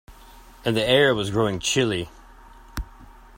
And the air was growing chilly.